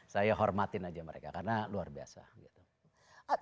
saya hormatin aja mereka karena luar biasa gitu